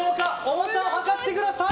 重さを量ってください。